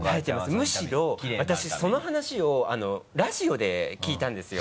むしろ私その話をラジオで聞いたんですよ。